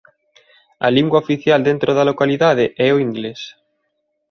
A lingua oficial dentro da localidade é o inglés.